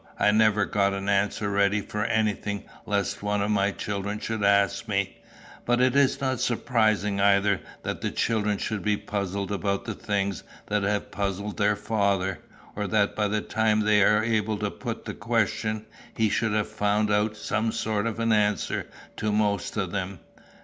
I never got an answer ready for anything lest one of my children should ask me. But it is not surprising either that children should be puzzled about the things that have puzzled their father, or that by the time they are able to put the questions, he should have found out some sort of an answer to most of them.